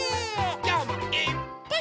きょうもいっぱい。